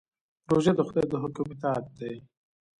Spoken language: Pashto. روژه د خدای د حکم اطاعت دی.